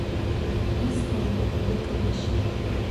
ის გამოკვეთილია კლდეში.